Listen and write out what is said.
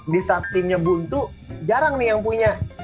bisa timnya boon tuh jarang nih yang punya